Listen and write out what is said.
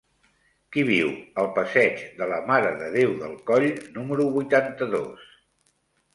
Qui viu al passeig de la Mare de Déu del Coll número vuitanta-dos?